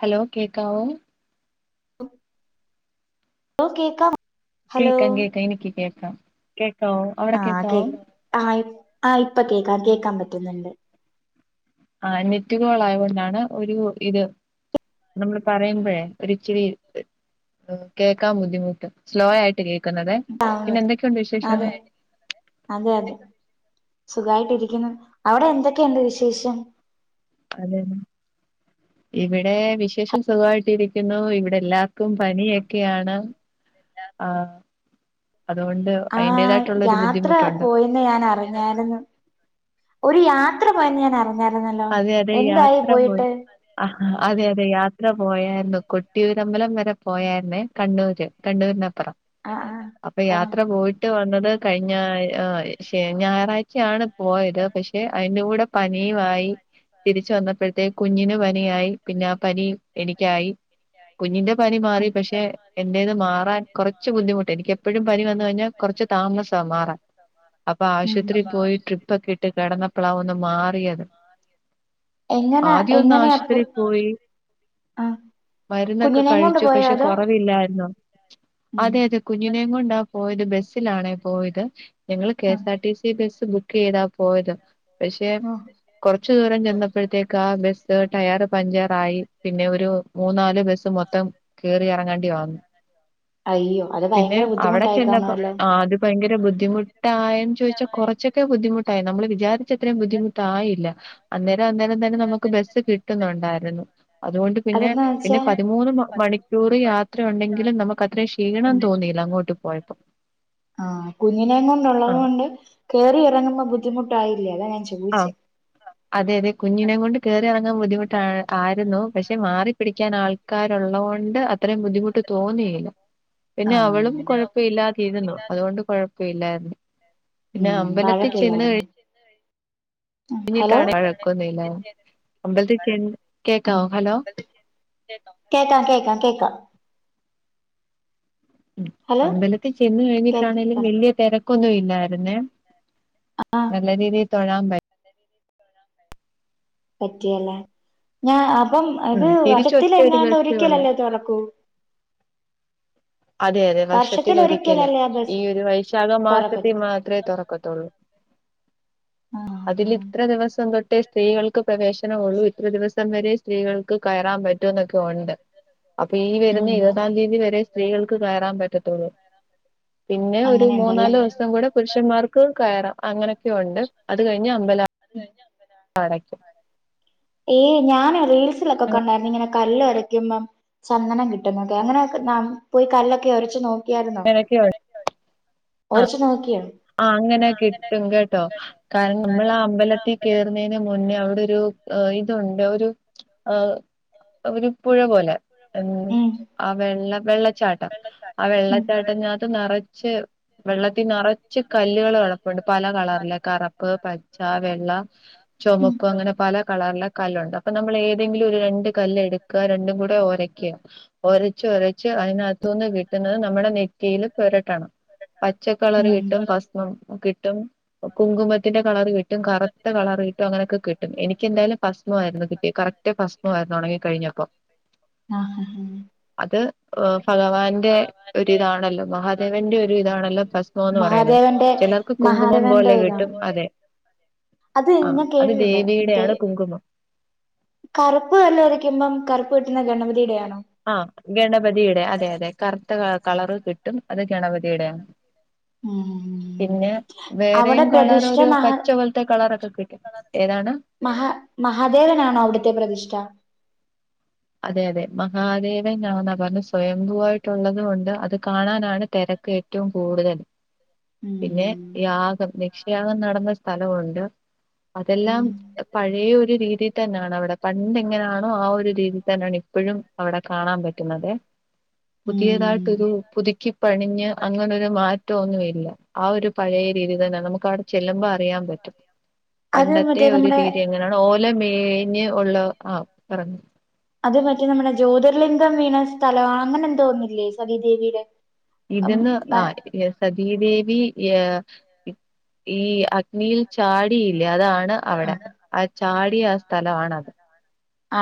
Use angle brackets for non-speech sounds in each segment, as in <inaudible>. Hello കേക്കാവോ ഉം ഓ കേക്കാം ഹലോ കേക്കാം കേക്കാം എനിക്ക് കേക്കാം കേക് ആഹ് കേ ആ ഇപ് ആ ഇപ്പോ കേക്കാം കേക്കാം പറ്റും ക്കുന്നുണ്ട് അഹ് നെറ്റ് കാൾ ആയോണ്ടാണ് ഒരു ഇത് നമ്മള് പറയുമ്പോഴെ ഒരു ഇച്ചിരി കേക്കാൻ ബുദ്ധിമുട്ട് സ്ലോ ആയിട്ട് കേക്കുന്ന് ക്കുന്നതേ, അതെ പിന്നെ എന്തൊക്കെയുണ്ട് വിശേഷം? സുഖം ആയിട്ട് ഇരിക്കുന്നു അവിടെ എന്തൊക്കയുണ്ട് വിശേഷം? അതെന്ന് ഇവിടെ വിശേഷം സുഗമായിട്ടിരിക്കുന്നു ഇവിടെല്ലാർക്കും പനിയോകെയാണ് അതുകൊണ്ട് ആ അതിന്റേതായിട്ടുള്ള ഒരു യാത്ര ബുദ്ധിമുട്ടുണ്ട് പോയെന്നു ഞാൻ അറിഞ്ഞാരുന്നു ഒരു യാത്ര ത്ര പോയെന്ന് ഞാൻ <unintelligible> അതെ അതെ എന്തായി യാത്ര പോയി പോയിട്ട് ആ അതെ അതെ യാത്ര പോയായിരുന്നു കൊട്ടിയൂരമ്പലം വരെ പോയാരിന്നേ കണ്ണൂര് കണ്ണൂരിന ആഹ് ആഹ് അപ്പ ആഹ് യാത്ര പോയിട്ട് <unintelligible> വന്നത് കഴിഞ്ഞ ഞായറാഴ്ചയാണ് പോയത് പക്ഷെ അയിന്റെ കൂടെ പനിയുമായി തിരിച്ച് വന്നപ്പഴത്തേ കുഞ്ഞിനു പനിയായി പിന്നെ ആ പനി എനിക്കായി കുഞ്ഞിന്റെ പനി മാറി ആഹ് പക്ഷെ എന്റേത് മാറാൻ കുറച്ച് ബുദ്ധിമുട്ട് എനിക്ക് എപ്പഴും പനി വന്നു കഴിഞ്ഞാൽ കുറച്ച് താമസ മാറാൻ അപ്പൊ ഉം ആശുപത്രി പോയി ട്രിപ്പ് ഒക്കെ ഇട്ട് കിടന്നപ്പളാ ഒന്ന് മാറിയത് എങ്ങനെ ആദ്യ ഒന്ന് എങ്ങനെയാ ആശുപത്രിൽ പോയി ആഹ് മരുന്നൊക്കെ കുഞ്ഞിനെയും കൊണ്ട് കഴിച്ചു പോയോ പക്ഷെ അതോ കൊറവില്ലായിരുന്നു ഉം അതെ അതെ കുഞ്ഞിനെയും കൊണ്ടാ പോയത് ബസ്സിലാണേ പോയത് ഞങ്ങള് ആഹ് KS R T C bus book ബുക്കെയ്താ പോയത് പക്ഷെ ആഹ് കുറ ദൂരം ചെന്നപ്പെഴത്തേക്കാ ബസ്സ് ടയർ പഞ്ചർ ആയി പിന്നെ ഒരു മൂന്നാല് ബസ്സ് മൊത്തം കേറി ഇറങ്ങാ <unintelligible> അയ്യോ അത് പിന്നെ ഭയങ്കര അവിടെ ബുദ്ധിമുട്ടായി ചെന്നപ്പം കാണുവല്ലോ ആ അത് ഭയങ്കര ബുദ്ധി <unintelligible> തായം ചോയിച്ചാൽ കുറച്ചൊക്കെ ബുദ്ധിമു <unintelligible> നമ്മള് വിചാരിച്ചത്രേയും ബുദ്ധിമുട്ടായില്ല അന്നെ അന്നേരം തന്നെ നമുക്ക് ബസ്സ് കിട്ടുന്നുണ്ടായിരുന്നു അതുകൊണ്ട് പിന്നെ അതെന്താ പിന്നെ വെച്ചാ പതിമൂന്ന് മണിക്കൂർ യാത്ര ഉണ്ടെങ്കിലും നമുക്ക് അത്രയും ഉം ക്ഷീണം തോന്നിയില്ല അങ്ങോട്ട് പോയ ആഹ് കുഞ്ഞിനേയൂം കൊണ്ടുള്ളത് ആഹ് കൊണ്ട് കേറി ഇറങ്ങുമ്പോ ബുദ്ധിമുട്ടായില്ലേ അതാ ഞാൻ ചോ ആ അതെ അതെ കുഞ്ഞിനെം കൊണ്ട് കേറി ഇറങ്ങാൻ ബുദ്ധിമുട്ടായിരുന്നു പക്ഷെ മാറി പിടിക്കാൻ ആൾക്കാരുള്ളോണ്ട് അത്രേയും ബുദ്ധിമുട്ട് തോന്നിയില്ല പിന്നെ അവളും ആഹ് കുഴപ്പം ഇല്ലാതിരുന്നു അതുകൊണ്ട് കൊഴപ് പിന്നെ ഉം വഴക്കില്ലായിരുന്നു ഹലോ വഴക്കൊന്നുല്ലാ. അമ്പലത്തിലൊക്കെയാണി ഉം കേക്കാവോ? ഹലോ കേക്കാം കേക്കാം കേക്കാം ഉം ഹലോ അമ്പലത്തി ചെന്നു കഴിഞ്ഞിട്ടാണേലും കേക്കാം വല്യ തിരക്കൊന്നും ഇല്ലായിരുന്നേ ആഹ് നല്ല രീതി തൊഴാൻ പ റ്റി അല്ലേ ഞാൻ അ പ്പം അത് ഉം തിരിച്ച് ഒറ്റ ഒരു വതത്തിലെങ്ങാണ്ട് ബസ്സേ ഉള്ളൂ ഒരിക്കലല്ലേ തുറക്കൂ അതെ അതെ വർഷത്തില് ഒരിക്കല്. വർഷത്തിലൊരിക്കലല്ലേ ആ ഈ ബസ് ഒരു വൈശാഖ മാസത്തി തുറക്കത്തു മാത്രേ തൊറക്കത്തൊള്ളു. ആഹ് അതിലിത്ര ദിവസം തൊ ട്ട് സ്ത്രീകൾക്ക് പ്രവേശനം ഉള്ളൂ ഇത്ര ദിവസം വരെ സ്ത്രീകൾക്ക് കയറാൻ പറ്റൂ എന്നൊക്കെ ഉണ്ട്. അപ്പെ ഈ വരുന്ന ഉം ഇരുപതാം തിയതി വരെ ത്രികൾക്ക് കയറാൻ പറ്റത്തൊള്ളു. പിന്നെ ഒരു അങ്ങനെയുണ്ടല്ലേ മൂന്നാല് ദിവസം കൂടെ പുരുഷൻമാർക്ക് ക കയറാം. അങ്ങനെ ക്കെയുണ്ട്. അതു കഴിഞ്ഞ് അമ്പല അടയ്ക്കും. ഈ ഞാന് റീൽസിലൊക്കെ കണ്ടാരുന്നു ഇങ്ങനെ കല്ല് ഒരയ്ക്കുമ്പം ചന്ദനം കിട്ടുന്നൊക്കെ. അങ്ങനെ ഒക്കെ പോയി കല്ല് ഒരച്ച് നോ <unintelligible> ഒരച്ചു നോക്കിയോ? ആ അങ്ങനെ കിട്ടും കേട്ടോ. കാരണം നമ്മള് ആ അമ്പലത്തിൽ കേറുന്നതിനു മുന്നേ അവിടൊരു ഇതുണ്ട്. ഒരു ഒരു പുഴപോലെ എന്ന് ഉം ആ വെള്ള വെളളച്ചാട്ടം. ആ ഉം വെള്ളച്ചാട്ടത്തിനകത്ത് നിറച്ച് വെള്ളത്തി നെറെ- ച്ച് കല്ലുകള് കിടപ്പുണ്ട്. പല കളറിലെ. കറുപ്പ്, പച്ച, വെളള, ഉം ചുവപ്പ് അങ്ങനെ പല കളറിലെ കല്ലുണ്ട് അപ്പൊ നമ്മള് ഏ ന്തെങ്കിലു ഒരു രണ്ട് കല്ല് എടുക്കുക. രണ്ടും കൂടെ ഒരയ്ക്ക. ഒരച്ച് ച്ച് ഒരച്ച് ച്ച് അതിനകത്തു നിന്ന് കിട്ടുന്നത് നമ്മുടെ നെറ്റിയില് പുരട്ടണം. പച്ച കളറ് കി ഉം ട്ടും. ഭസ്മം കിട്ടും. കുങ്കുമത്തിൻ്റെ കളറ് കിട്ടും, കറുത്ത കളറ് കിട്ടും, അങ്ങനൊക്കെ കിട്ടും. എനിക്കെന്തായാലും ഭസ്മായിരുന്നു കിട്ടിയേ. കറക്ട് ഭസ്മമായിരുന്നു ഉണങ്ങിക്കഴിഞ്ഞപ്പോ. ആഹ് ആഹ് അത് ആ ഭഗവാൻ്റെ ഒരു ഇതാണല്ലോ. മഹാദേവൻ്റെ ഒരു ഇതാണല്ലോ ഭസ്മമെന്നു പറയുന്നെ മഹാദേവൻ്റെ മഹാദേവൻ്റെ ഏതാ. അതെ അത് ആ ഞാൻ അത് കേട്ടിട്ടുണ്ട് മറ്റേ ദേവിയുടെയാണ് കുങ്കുമം കറുപ്പ് കല്ല് ഒരയ്ക്കുമ്പം ക കറുപ്പ് കിട്ടുന്നെ ഗണപതീടേയാ ആ ഗണപതീടേ അതെ അതെ കറ്ത്ത ക കളർ കിട്ടും അത് ഗണപതീ ടെയാന്ന് ഉം അവടെ വേറെയും കളർ പ്രതിഷ്ഠ ഒരു മഹാ പച്ച പോലത്തെ കളറൊക്കെ കിട്ടും ഏതാണ് മഹാ മഹാദേവനാണോ അവിട്ത്തെ പ്രതിഷ്ഠ അതെ അതെ മഹാദേവൻ ആന്നാ പറഞ്ഞ് സ്വയന്തുവായിട്ടുള്ളതും ഉണ്ട് അത് കാണാനാണ് തെരക്ക് ഏറ്റവും കൂടുതല്. പിന്നെ യാഗം ലക്ഷ് യാഗം നടന്ന സ്ഥലവുണ്ട്, അതെല്ലാം പഴയൊരു രീതി തന്നെ യാനവിടെ പണ്ട് ഇങ്ങനെയാണോ ആ ഒരു രീതി തെന്നെയാണ് ഇപ്പോഴും അവിടെ കാണാൻ പറ്റുന്നത് പുതിയതായിട്ടൊരു പുതുക്കി പണിഞ്ഞ് അങ്ങനെ മാ റ്റൊന്നുല്ല ആ ഒരു പഴേ രീതി തന്നെ നമുക്ക് അടു ചെല്ലുമ്പോ അറിയാൻ പറ്റും അത് പണ്ടത്തെ മറ്റേ ഒരു നമ്മുടെ രീതിഇങ്ങനാണോ ഓല മേഞ്ഞ് ഉള്ള ആ പറഞ്ഞു അത് മറ്റേ നമ്മുടെ ജ്യോതിർലിംഗം വീ ണതലവ അങ്ങനെ എന്തോ ഇല്ലേ സതി ദേവിയുടെ ഇതിന്ന് ആ സതീദേവി യേഹ് ഇ അഗ്നിയിൽ ചാടിയില്ല് യതാണ് അവിടെ ആ ചാടി ഈ ആ സ്ഥലാണ് അത്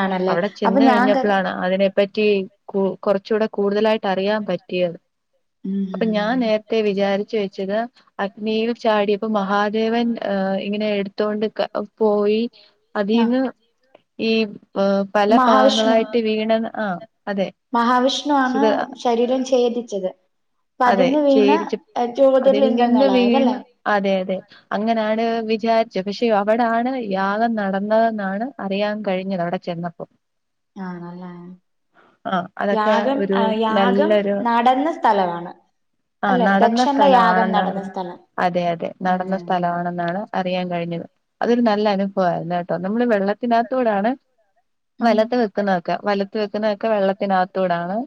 ആണല്ലേ അവിടെ അപ്പൊ ചെന്ന് ഞാൻ കരു കഴിഞ്ഞപ്പലാണ് അതിനെ പറ്റി റ്റി കു കുറച്ചൂടെ കൂടുതലായി അറിയാൻ പറ്റിയത് പ്പോ ഞാൻ അത് നേരത്തെ വിചാരിച്ച് വെച്ചത് അഗ്നിയിൽ ചാടിയപ്പോ മഹാദേവന്റെ ഹേ ഇങ്ങനെ എടുത്തോണ്ട് പോയി അതീന്ന് ഈ പല ഭാഗങ്ങളായിട്ട് വീണ് ആ അതെ മഹാവിഷ്ണുവാണ് സുട് അ ശരീരം ഛേദിച്ചത് അതെ പതിന്ന് വീണ ചേടിച്ചിട്ട് അതിൽ നിന്ന് വീണ് ജ്യോതിർലിംഗങ്ങളായതല്ലേ അതെ അതെ അങ്ങനാണ് വി യാച് പക്ഷെ അവടാണ് യാഗം നടന്നതെന്നാണ് അറിയാൻ കഴിഞ്ഞത് അവിടെ ചെന്നപ്പോ ആണല്ലേ ആ അതൊക്കെ യാഗം ഒരു യാഗം നല്ലൊരു നടന്ന ആഹ് സ്ഥലമാണ്അല്ലെ നടന്ന ദക്ഷന്റെ യാഗം സ്ഥലമാണെന്നാ നടന്ന പറഞ്ഞെ സ്ഥലം അതെ അതെ നടന്ന ഉം സ്ഥലമാണെന്നാണ് അറിയാൻ കഴിഞ്ഞത് അതൊരു നല്ല അനുഭവായിരുന്നു ട്ടോ നമ്മള് വെള്ളത്തിനാത്തൂടാണ് ഉം നെലത്ത് നിക്ക്ന്നതൊക്കെ വലത്ത് വെക്കുന്നതൊക്കെ വെള്ള അതിനകത്തൂടാണ്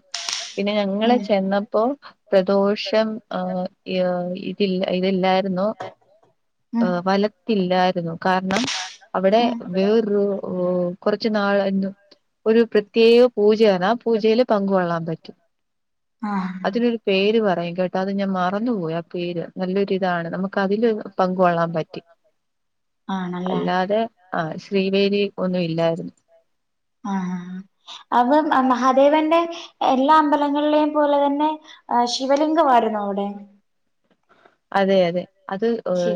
പിന്നെ ഞങ്ങള് ഉം ചെന്നപ്പോ പ്രദോഷം ആ ഏ ഇതില്ല ഇല്ലായിരുന്നു ത് നൊ ഉം ഏ വലത്തില്ലായിരുന്നു കാരണം അവിടെ ഉം വെറു ഒ കൊറച്ച് നാളായിരുന്നു ഒരു പി ത്യേക പൂജയാന്ന് ആ പൂജയിൽ പങ്ക് കൊള്ളാൻ പറ്റും ആഹ് അതിനൊരു പേര് പറയും കേട്ടാ അത് ഞാൻ മറന്ന് പോയി ആ പേര് നല്ലൊരിതാണ് നമ്മക്കതിൽ പങ്ക് കൊള്ളാൻ പറ്റി ആണല്ലേ അല്ലാതെ ആ ശ്രീവേദി ഒന്നും ഇല്ലായിരു ആ ആ അവർ മഹാദേവന്റെ എല്ലാ അമ്പലങ്ങളിലെയും പോലെ തന്നെ ശിവലിംഗവായിരുന്നോ അവിടെ അതെ അതെ അത് ശി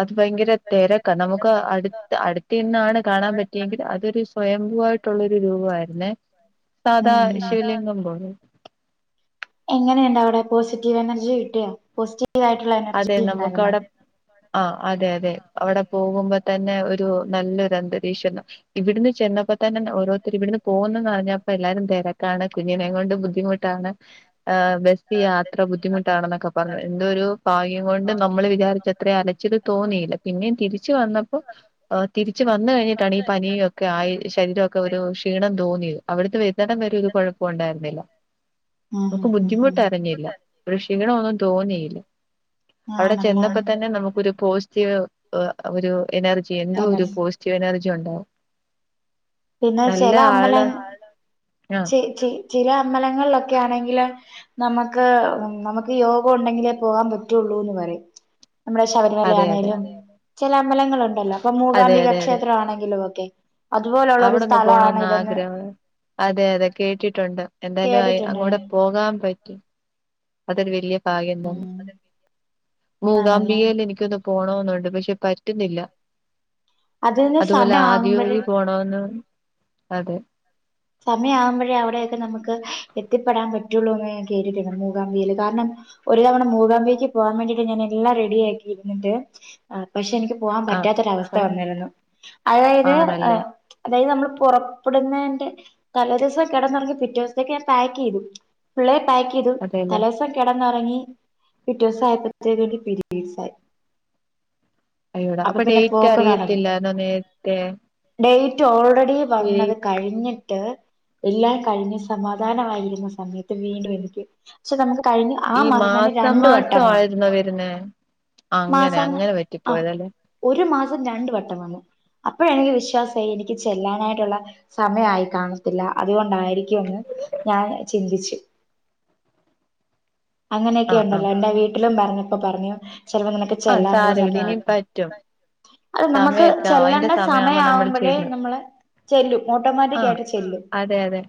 അത് ഭയങ്കര തെരക്കാ നന്മക് അടുത്ത് അടുത്ത് നിന്നാണ് കാണാൻ പറ്റിയെങ്കിലും അതൊരു സു <unintelligible> ആയിട്ടുള്ളൊരു രൂപമായിരുന്നെ സാധാ ശിവലിംഗം പോലെ എങ്ങനെ ഉണ്ടവിടെ പോസറ്റീവ് എനർജി കിട്ടിയോ പോസ അതെ നമുക്കവിടെ ആ അതെ അവിടെ പോകുമ്പോ തന്നെ ഒരു നല്ലൊരു അന്തരീക്ഷാ ഇവിടുന്ന് ചെന്നപ്പ തന്നെ ഓരോരുത്തര് തെ ഇവിടുന്ന് പോകുന്നെന്ന് അറിഞ്ഞപ്പോ എല്ലാരും തിരക്കാണ് കുഞ്ഞിനെം കൊണ്ട് ബുദ്ധിമുട്ടാണ് ആ ബസ് യാത്ര ബുദ്ധിമുട്ടാണെന്നൊക്കെ പറഞ്ഞു എന്തോരു കുഞ്ഞിനെം കൊണ്ട് നമ്മള് വിചാരിച്ചത്രയും അലച്ചില് തോന്നിയില്ല പിന്നെയും തിരിച്ചു വന്നപ്പോ തിരിച്ച് വന്ന് കഴിഞ്ഞിട്ടാണ് ഈ പനിയൊക്കെ ആയി ശരീരം ഒക്കെ ഒരു ക്ഷിണം തോന്നിയത് അവിടുന്നെ വരുന്നെടം വരെ ഒരു കൊഴപ്പോം ഒണ്ടായിരുന്നില്ല നമ്മക്ക് ഉം ഉം ബുദ്ധി <unintelligible> ഉം ഒരു ക്ഷിണം ഒന്നു തോന്നിയില്ല അവിടെ ആണല്ലേ ചെന്നപ്പം തന്നെ നമ്മക്കൊരു പോസറ്റീവ് ആ ഒരു എനർജി എന എന്തോരു പോസറ്റീവ് എനർജി <unintelligible> പിന്നെ നല്ല ചെല ആള് അമ്പലങ്ങ ആ ചെ ചെ ചെല അമ്പലങ്ങളിലൊക്കെ ആണെങ്കില് നമ്മക്ക് നമ്മക്ക് യോഗം ഒണ്ടങ്കിലെ പോകാൻ പറ്റുള്ളൂ എന്ന് പറയും നമ്മടെ ശബരിമല അതെ അതെ ആണെലും ചെല അമ്പലങ്ങൾ ഒണ്ടല്ലോ ഇപ്പം അതെ മുകാംബിക അതെ അതെ ക്ഷേത്രം ആണെങ്കിലും ഒക്കെ അതു അവിടൊന്ന് പോണന്ന് ആഗ്രഹഠ ഒണ് അതെ അതെ കേട്ടിട്ടുണ്ട് എന്തായാലും അയ് കേട്ടിട്ടുണ്ട് അവിടെ ഞാൻ പോകാൻ പറ്റ അതൊരു വല്യ ഭാഗ്യം തോന്നുന്നു ആണല്ലേ മൂകാംബികേല് എനിക്കൊന്ന് പോണോന്ന് ഒണ്ട് പക്ഷേ പറ്റുന്നില്ല അതിന് അതുപോലെ സമയം ആകുമ്പഴേ ആദിയോഗിയിൽ പോണംന്ന് അതെ സമയം ആവുമ്പഴേ അവിടേക്കെ നമുക്ക് എത്തിപെടാൻ പറ്റുളുന്ന് കേട്ടിട്ടുണ്ട് മൂകാംബികയിൽ കാരണം ഒരു തവണ മൂകാംബികക്ക് പോകാൻ വേണ്ടി ഞാൻ എല്ലാം റെഡി ആക്കി ഇരുന്നിട്ട് ആ പക്ഷെ എനിക്ക് പോകാൻ ആഹ് പറ്റാത്ത ഒരു അവസ്ഥ അതെ വന്നിരുന്നു അതായിത് ആണല്ലേ അതായിത് നമ്മൾ പുറപ്പെടുനെന്റെ തലേദിവസം കിടന്ന് ഉറങ്ങി പിറ്റേ ദിവസതെക്ക് ഞാൻ പാക്ക് ചെയ്തു പിള്ളെ പാക്ക് ചെയ്തു അതെല്ലേ തലേ ദിവസം കിടന്ന് <unintelligible> പിറ്റേ ദിവസം അയ്പത്തേക്ക് എനിക്ക് പിരീഡ്സ്‌ ആയി. അയ്യോടാ അപ്പൊ അപ്പ പിന്നെ ഡേയ്റ്റ് പോക്ക് നടന്നു അറിയത്തില്ലായിരുന്നോ നേരത്തെ? റ്റ് ഒൾറെ ഡി ഈ വന്ന് അത് കഴ്ഞ്ഞി ട്ട് എല്ലാം കഴിഞ്ഞു സമാധാനം ആയി ഇരുന്ന സമയത്ത് വീണ്ടും എനിക്ക് ക്ഷേ നമ്മക്ക് കഴിഞ്ഞു ആ ഈ മാസം തന്നെ രണ്ട് മാസം വട്ടം വന്ന് ആയിരുന്നോ വരുന്നേ അങ്ങനെ മാസം അങ്ങനെ ആഹ് പറ്റിപ്പോയതല്ലേ ഒരു മാസം രണ്ട് വട്ടം വന്നു. അപ്പോഴ എനിക്ക് വിശ്വാസം ആയി എനിക്ക് ചെല്ലാൻ ആയിട്ടുള്ള സമയം ആയി. കാണത്തില്ല അതുകൊണ്ടായിരിക്കുന്ന് ഞാൻ ചിന്തിച്ച്. അങ്ങനെയൊക്കെ ആഹ് ഉണ്ടല്ലോ എന്റെ വീട്ടിലും പറഞ്ഞ് അപ്പ പറഞ്ഞു ചിലപ്പോ നിനക്ക് അത് ചെല്ലാനുള്ള സാരവില്ല ഇനി സമയായിക്കാണും പറ്റും. അത് നമ്മക്ക് സമയൊക്കെ ആവും അതിന്റെ ചെല്ലണ്ട സമയം സമയമാവുമ്പോ നമ്മൾ ആവുമ്പഴേ ചെല്ലും നമ്മള് ചെല്ലു, ഓട്ടോമാറ്റിക്ക് ആഹ് ആയിട്ട് ചെല്ലും അതെ അതെ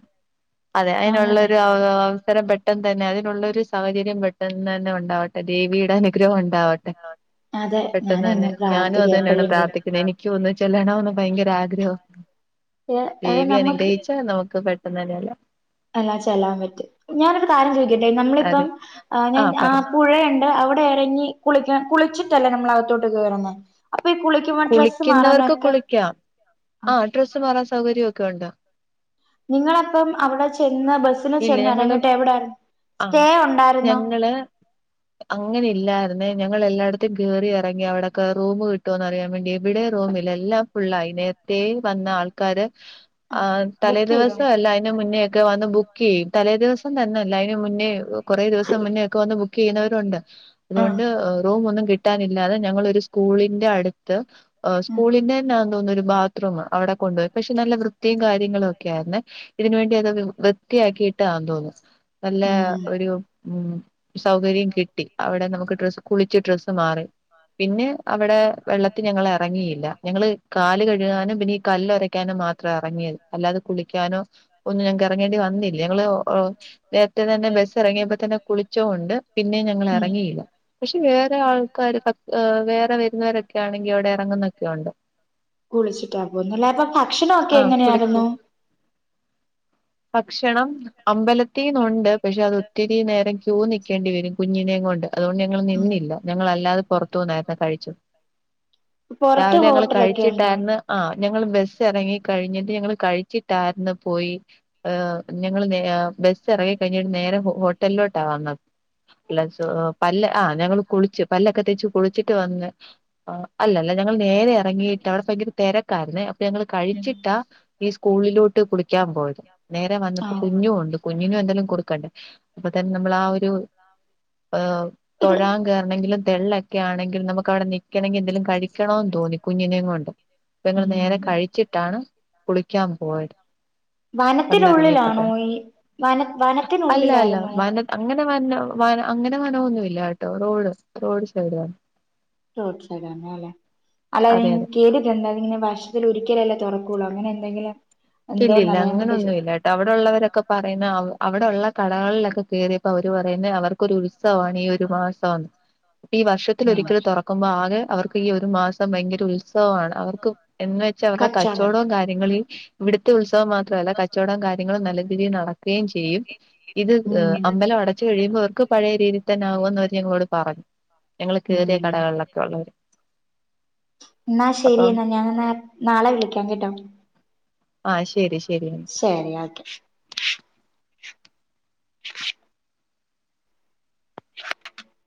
അതെ അയിനുള്ളൊരു അവ് അവസരം പെട്ടെന്ന് തന്നെ അതിനുള്ളൊരു സ് സാഹചര്യം പെട്ടന്ന് തന്നെ ഉണ്ടാവട്ടെ ദേവിടെ അനുഗ്രഹം ഉണ് ണ്ടാവട്ടെ അതെ പെട്ടെന്ന് തന്നെ ഞാനെങ്ങും ഞാനും പ്രാർത്ഥിക്ക അത് തന്നെ ആണ് പ് എപ്പോഴെങ്കിലും പ്രാർത്ഥിക്കണെ ഞാനും എനിക്കും ഒന്ന് ചെല്ലാണോന്ന് ഭയകര ആഗ്രഹം. അങ്ങനെ ഏ, അത് ദേവി നമുക്ക് അനുഗ്രഹിച്ചാൽ നമുക്ക് പെട് പെട്ടന്ന് തന്നെ അല്ല. <unintelligible> ചെല്ലാൻ പറ്റും ഞാൻ ഒരു കാര്യം ചോദിക്കട്ടെ നമ്മൾ ഇപ്പം അതെ ആഹ് ഞാൻ ആ പുഴ ഉണ്ട് അവിടെ ഇറങ്ങി കുളിക്കാൻ കുളിച്ച് <unintelligible> അല്ലെ നമ്മൾ അകത്തോട്ട് കേറുന്നേ അപ് കുളിക്കുന്നോർക്ക് കുളിക്കാം ആ ഡ്രസ്സ് മാറാൻ സൗകര്യം ഒക് ഒക്കെ ഒണ്ടോ? നിങ്ങൾ അപ്പം അവിടെ ചെ ന്ന് ബസിൽ ഇല്ല ചെന്ന് ഞങ്ങള് എറങ്ങിട്ട് എവിടാ ആ സ്റ്റേ ഒണ്ടായിരുന്നോ? ന്നെ ഞങ്ങൾ എല്ലാടുത്തും കേറി എറങ്ങി അവിടക്കെ റൂം കിട്ടുവോന്നു അറിയാൻ വേണ്ടി എവിടേം റൂമില്ലാ, എല്ലാം ഫുൾ ആയി, നേരത്തേ വന്ന ആൾക്കാര് ആ, ആഹ് തലേ ബുക്ക് ചെയ്തോ ദിവസം അല്ല അയിന് ദിവസമല്ല, അതിന് മുന്നേ ഒക്കെ വന്ന് ബു ക്ക് ചെയ്യും തലേ ദിവസം തന്നല്ല അയിന് മുന്നേ കൊറെ ദിവസം മുന്നേ ഒക്കെ വന്ന് ബു കീനവരും ഒണ്ട് വന്ന് ആ അതുകൊണ്ട് റൂം ഒന്നും കിട്ടാനില്ലാതെ ഞങ്ങൾ ഒരു സ്കൂളിന്റെ അടുത്ത് ഓ ഉം സ്കൂളിന്റെന്നാ തോന്ന്ന്നൊരു ബാത്രൂം അവിടെ കൊണ്ടുപോയി പക്ഷെ നല്ല വൃത്തിയും കാര്യങ്ങളും ഒക്കെ ആർന്നെ ഇതിനുവേണ്ടി ഒക്കെ വൃത്തിയാക്കി ഇട്ടആന്ന് തോന്നു നല്ല ഉം പിന്നെ ഒരു ഉം സൗകര്യം കിട്ടി അവിടെ നമ്മക് ഡ്രസ്സ്‌ കുളിച് ഡ്രസ്സ്‌ മാറി പിന്നെ അവിടെ വെള്ളത്തി ഞങ്ങൾ എറങ്ങിയില്ലാ ഞങ്ങള് കാലുകഴ്കാനും പിന്നെ ഈ കല്ലൊരക്കാനും മാത്രാ എറങ്ങിയത് അല്ലാതെ കുളിക്കാനോ ഒന്നും ഞങ്ങക്ക് ഇറങ്ങേണ്ടി വന്നി ന്നില്ല ഞങ്ങൾ ഓ നേരത്തെ തന്നെ ഡെസ്ക് ബസ് എറങ്ങിയപ്പോ തന്നെ തുടങ്ങി. കുളിച്ചോണ്ട് പിന്നെ ഞങ്ങൾ ഉം. പിന്നെ എറങ്ങീല പക്ഷെ വേറെ ആൾക്കാ ആ വേറെ വരുന്നവരൊക്കെ ആണെങ്കിൽ അവിടെ ഇറങ്ങുന്നയൊക്കെ ഒണ്ട് കുളിച്ചിട്ടാ പോന്നല്ലേ അപ്പൊ ഭക്ഷണൊക്കെ ആ കുളിക്ക് എങ്ങനെയായിരുന്നു ഭക്ഷണം അമ്പല തീന്നൊണ്ട് പക്ഷെ അത് ഒത്തിരിനേരം ക്യു നിക്കേണ്ടി വരും കുഞ്ഞിനേം കൊണ്ട് അതോണ്ട് ഞങ്ങൾ ഉം നിന്നില്ല ഞങ്ങൾ അല്ലാതെ പൊറത്തൂന്നായ്ര്ന്നു കഴിച്ചു പൊറത്ത് രാവിലെ ഞങ്ങൾ ഹോട്ടലൊക്കെ ഉണ്ടോ കഴിച്ചിട്ടാരുന്ന് ആ ഞങ്ങൾ ബസ് എറങ്ങിക്കഴിഞ്ഞിട്ട് ഞങ്ങള് കഴിച്ചിട്ടാര്ന്ന് പോയി ഏഹ് ഞങ്ങള് നേ ആ ബസ് എറങ്ങി കഴിഞ്ഞിട്ട് നേരെ ഹോട്ടലിലോട്ടാ വന്നത്. അല്ല ചോ പല്ല് ആ ഞങ്ങൾ കുളിച്ച്, പല്ലൊക്കെ തേച്ച്, കുളിച്ചിട്ട് വന്ന്. ആഹ് അല്ലല്ല ഞങ്ങൾ നേരെ ഇറങ്ങിട്ട് അവിടെ ഭയങ്കര തെരക്കാരുന്നേ അപ്പൊ ഞങ്ങൾ കഴിച്ചിട്ട ഈ സ്കൂളിലോട്ട് കുളിക്കാൻ പോയത് നേരെ വന്നപ്പോ ആഹ് കുഞ്ഞും ഒണ്ട് കുഞ്ഞിനു എന്തേലും കൊടുക്കണ്ടേ അപ്പൊ തന്നെ നമ്മള് ആ ഒ ഹ ഇത് തൊഴാൻ കേറണേങ്കിലും തെള്ളൊക്കെആണെങ്കിൽ നമ്മക്ക് അവിടെ നിക്കണങ്കിൽ എന്തേലും കഴിക്കണോന്ന്തോന്നി കുഞ്ഞിനേം കൊണ്ട് അപ്പൊ ഞങ്ങൾ ഉം നേരെ കഴിച്ചിട്ടാണ് കുളിക്കാൻപോയത് നത്തിലുള്ളിലാണോ ഈ വന വനത്തിലുള്ളിലാരുന്നോ ങ്ങന വനം അങ്ങന വനമൊന്നില്ല കേട്ടോ റോഡ് റോഡ്സൈഡ്ത റോഡ് സൈഡ്ആരുന്നു അല്ലെ അല്ല അതെ ഇങ്ങന അതെ കെട്ടിട്ടോണ്ട് അതിങ്ങനാ വർഷത്തിൽ ഒരിക്കലല്ലേ തുറക്കു കുളം അങ്ങനയെന്തെങ്കിലും- ഇല്ലിഇല്ല അങ്ങനഒന്നില്ല കേട്ട അവിടെയൊള്ളവരൊക്കെ പറയുന്ന ആ- അവിടെയൊള്ള കടകളിലൊക്കെ കേറിയപ്പോ അവർ പറയുന്ന അവർക്ക് ഒരു ഉത്സവാണ് ഈ ഒരു മാസം എന്ന് ഈ വർഷത്തിൽ ആഹ് ഒരിക്കൽ തുറക്കുമ്പോൾ ആകെ അവർക്ക് ഈ ഒരു ഒരുമാസം ഭയങ്കര ഉത്സാവാണ് അവർക്ക്- എന്നുവെച്ചാൽ അവരുടെ കച്ചോടം കച്ചവടവും കാര്യങ്ങളും ഇവിടുത്തെ ഉത്സ് മാത്രല്ല കച്ചോടൊം കാര്യങ്ങളും നല്ല <unintelligible> ഏൻ ചെയ്യും ഇത് ഉം അബലം അടച്ചു കയിമ്പോ അവർക്ക് പഴയ രീതി തന്നാവുന്നു ആദ്യം എന്നോട് പറഞ്ഞ് ഞങ്ങൾ ഉം കേറിയ കടകളിലൊക്കെ ഒള്ളൊര്- എന്നാ ശെരി എന്നാ ഞാനെന്നാ നാളെ വിളികാം കേട്ടോ- ആ ശെരി ശെ ശെരി ഓക്കെ